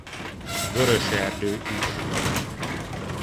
Vörös-erdő is.